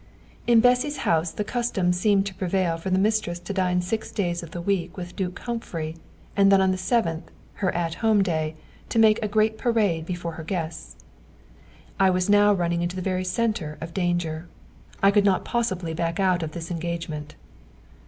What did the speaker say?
In Bessy's house the custom seemed to prevail for the mistress to dine six days of the week with Duke Humphrey, and then on the seventh, her at home day, to make a great parade before her guests. I was now running into the very centre of danger. I could not possibly back out of this engagement.